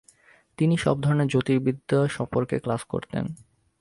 তিনি সব ধরনের জ্যোতির্বিদ্যা সম্পর্কিত ক্লাস করতেন।